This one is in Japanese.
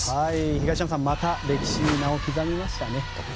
東山さんまた歴史に名を刻みましたね。